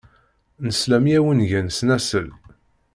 Nesla mi awen-gan snasel.